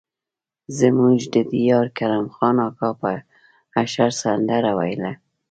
زموږ د ديار کرم خان اکا به د اشر سندره ويله.